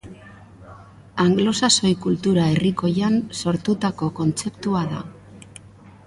Anglosaxoi kultura herrikoian sortutako kontzeptua da.